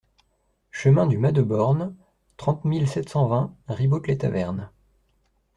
Chemin du Mas de Borne, trente mille sept cent vingt Ribaute-les-Tavernes